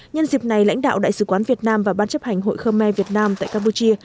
nhân dịp này lãnh đạo đại sứ quán việt nam và ban chấp hành hội khơ me việt nam tại campuchia